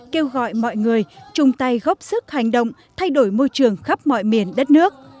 kêu gọi mọi người chung tay góp sức hành động thay đổi môi trường khắp mọi miền đất nước